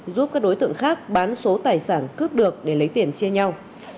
giúp các đối tượng khác bán số tài sản cướp được để lấy tiền chia nhau